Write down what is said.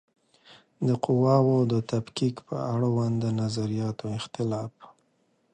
د قواوو د تفکیک په اړوند د نظریاتو اختلاف